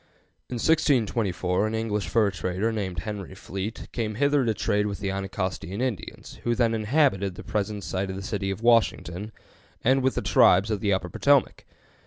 In 1624 an English fur trader named Henry Fleet came hither to trade with the Anacostian Indians, who then inhabited the present site of the city of Washington, and with the tribes of the Upper Potomac.